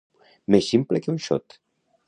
Més ximple que un xot.